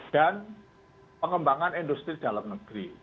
dan pengembangan industri dalam negeri